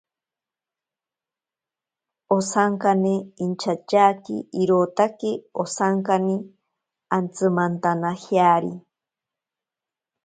Osankane inchatyaaki irotaki osankane antsimantanajeari.